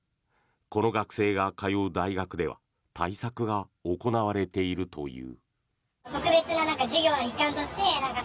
この学生が通う大学では対策が行われているという。